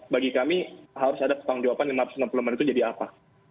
bagi kami harus ada pertanggung jawaban lima ratus enam puluh menit itu jadi apa